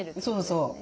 そうそう。